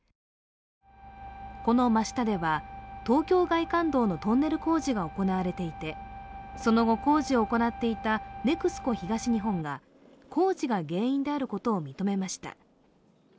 この真下では東京外環道のトンネル工事が行われていてその後工事を行っていたＮＥＸＣＯ東日本が工事が原因であることを認めました。